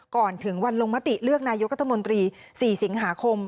ก่อนถึงวันลงมติเลือกนายกรัฐมนตรี๔สิงหาคม